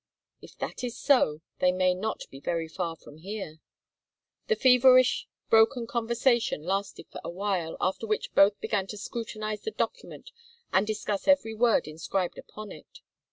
"If that is so, they may not be very far from here." The feverish, broken conversation lasted for a while, after which both began to scrutinize the document and discuss every word inscribed upon it.